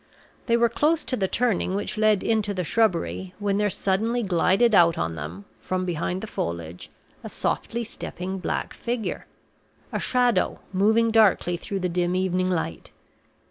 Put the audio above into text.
They were close to the turning which led into the shrubbery, when there suddenly glided out on them, from behind the foliage, a softly stepping black figure a shadow, moving darkly through the dim evening light.